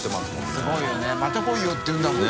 垢瓦い茲また来いよって言うんだもんね。